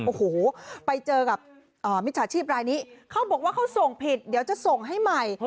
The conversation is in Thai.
โอ้โหไปเจอกับมิจฉาชีพรายนี้เขาบอกว่าเขาส่งผิดเดี๋ยวจะส่งให้ใหม่